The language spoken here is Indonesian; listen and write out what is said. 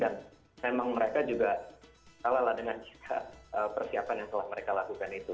dan memang mereka juga kalah dengan persiapan yang telah mereka lakukan itu